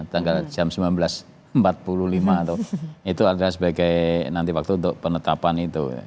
tanggal jam sembilan belas empat puluh lima itu adalah sebagai nanti waktu untuk penetapan itu